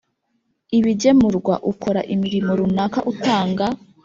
Ibigemurwa ukora imirimo runaka utanga